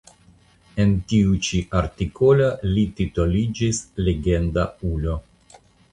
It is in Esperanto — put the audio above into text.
En tiu ĉi artikolo li titoliĝis "legenda ulo".